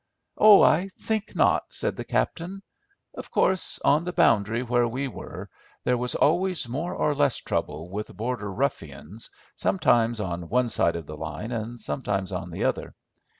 "Oh, I think not," said the captain. "Of course, on the boundary where we were, there was always more or less trouble with border ruffians, sometimes on one side of the line and sometimes on the other.